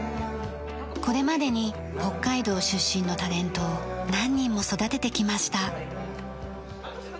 これまでに北海道出身のタレントを何人も育ててきました。